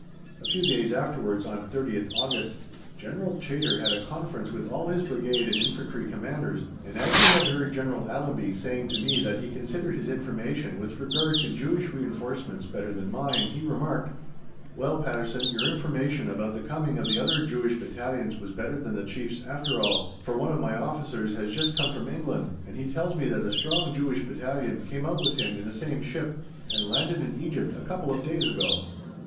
A few days afterwards, on 30th August, General Chaytor had a conference with all his Brigade and Infantry Commanders, and as he had heard General Allenby saying to me that he considered his information with regard to Jewish reinforcements better than mine, he remarked: "Well, Patterson, your information about the coming of the other Jewish Battalions was better than the Chief's after all, for one of my officers has just come from England, and he tells me that a strong Jewish Battalion came out with him in the same ship and landed in Egypt a couple of days ago."